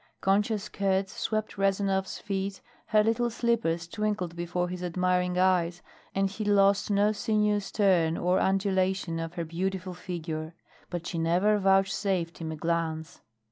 Concha's skirts swept Rezanov's feet, her little slippers twinkled before his admiring eyes, and he lost no sinuous turn or undulation of her beautiful figure; but she never vouchsafed him a glance.